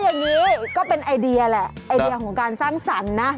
อย่างนี้ก็เป็นไอเดียแหละไอเดียของการสร้างสรรค์นะ